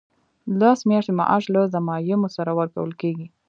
لس میاشتې معاش له ضمایمو سره ورکول کیږي.